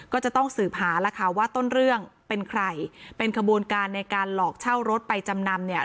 ก็จะต้องสืบหาแล้วค่ะว่าต้นเรื่องเป็นใครเป็นขบวนการในการหลอกเช่ารถไปจำนำเนี่ย